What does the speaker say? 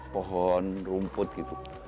pohon rumput gitu